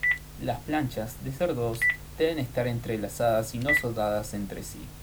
Las planchas, de ser dos, deben estar entrelazadas y no soldadas entre sí.